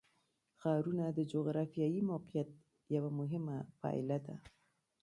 ښارونه د جغرافیایي موقیعت یوه مهمه پایله ده.